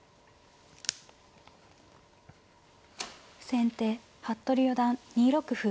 先手服部四段２六歩。